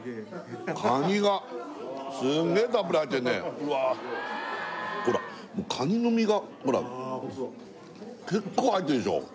カニがすんげえたっぷり入ってんねほらカニの身がほら結構入ってるでしょ